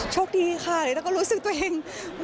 โชคดีค่ะแล้วก็รู้สึกตัวเอง